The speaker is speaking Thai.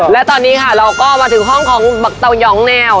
แล้วตอนนี้ค่ะเราก็มาถึงห้องของเบิร์กตะวิยองแนว